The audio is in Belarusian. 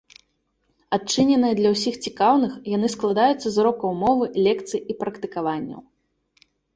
Адчыненыя для ўсіх цікаўных, яны складаюцца з урокаў мовы, лекцый і практыкаванняў.